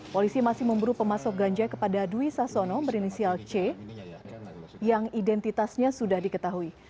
polisi masih memburu pemasok ganja kepada dwi sasono berinisial c yang identitasnya sudah diketahui